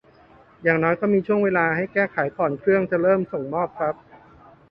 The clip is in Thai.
อย่างน้อยก็มีช่วงเวลาให้แก้ไขก่อนเครื่องจะเริ่มส่งมอบครับ